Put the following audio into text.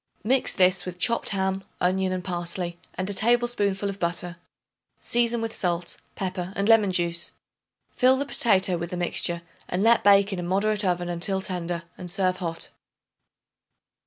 Mix this with chopped ham, onion and parsley, and a tablespoonful of butter. Season with salt, pepper and lemon juice. Fill the potato with the mixture and let bake in a moderate oven until tender and serve hot.